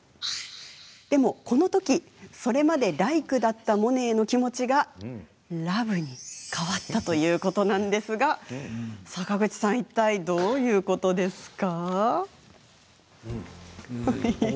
でも、このとき、それまでＬＩＫＥだったモネへの気持ちがＬＯＶＥに変わったということですが、坂口さんいったいどういうことですか？